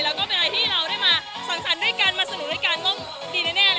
แล้วก็เป็นอะไรที่เรามาสั่งสรรค์มาสนุนด้วยกันดีแน่เลยค่ะ